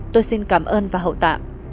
tôi xin cảm ơn và hậu tạ